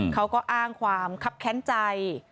เขาก็อ้างความคับแค้นใจ